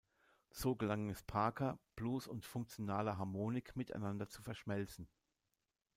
So gelang es Parker, Blues und funktionale Harmonik miteinander zu verschmelzen.